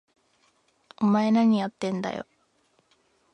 お前、なにやってんだよ！？